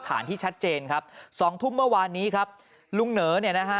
ที่ชัดเจนครับสองทุ่มเมื่อวานนี้ครับลุงเหนอเนี่ยนะฮะ